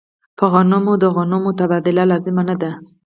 په غنمو د غنمو تبادله لازمه نه ده.